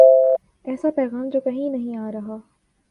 ایسا پیغام جو کہیں سے نہیں آ رہا۔